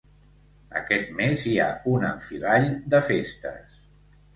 Aquest mes hi ha un enfilall de festes.